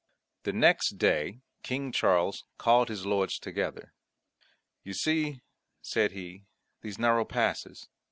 The next day King Charles called his lords together. "You see," said he, "these narrow passes.